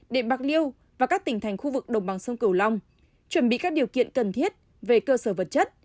điện bạc liêu và các tỉnh thành khu vực đồng bằng sông cửu long chuẩn bị các điều kiện cần thiết về cơ sở vật chất